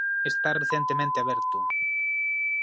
Está recentemente aberto.